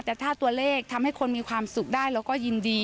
แต่ถ้าตัวเลขทำให้คนมีความสุขได้เราก็ยินดี